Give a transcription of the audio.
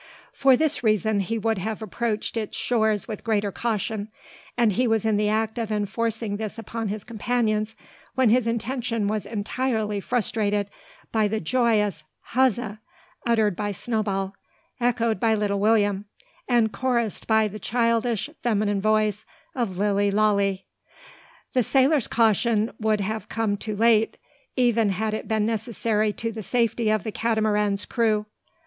For this reason he would have approached its shores with greater caution; and he was in the act of enforcing this upon his companions, when his intention was entirely frustrated by the joyous huzza uttered by Snowball; echoed by little William; and chorussed by the childish, feminine voice of Lilly Lalee. The sailor's caution would have come too late, even had it been necessary to the safety of the Catamaran's crew.